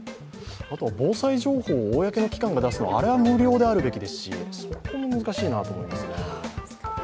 防災情報を公の機関が出すのは、あれは無料であるべきでしょうし、そこは難しいですよね。